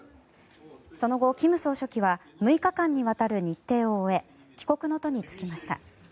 その後、金総書記は６日間にわたる日程を終え帰国の途に就きました。